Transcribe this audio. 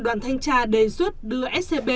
đoàn thanh tra đề xuất đưa scb